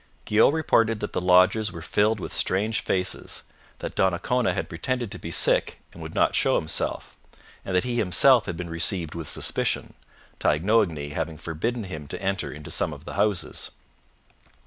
Guyot reported that the lodges were filled with strange faces, that Donnacona had pretended to be sick and would not show himself, and that he himself had been received with suspicion, Taignoagny having forbidden him to enter into some of the houses.